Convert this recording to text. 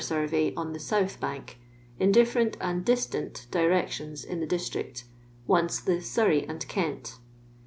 895 snrrej on the watb bsnk, in diffisrent and distant direetioni in the district, once the " Sonrej and Kent."